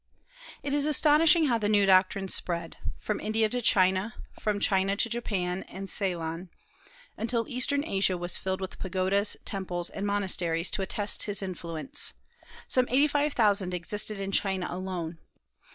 It is astonishing how the new doctrines spread, from India to China, from China to Japan and Ceylon, until Eastern Asia was filled with pagodas, temples, and monasteries to attest his influence; some eighty five thousand existed in China alone.